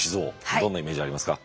どんなイメージありますか。